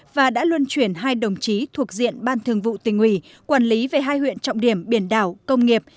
và đã luân chuyển hai đồng chí thuộc diện ban thường vụ tỉnh ủy quản lý về hai huyện trọng điểm biển đảo công nghiệp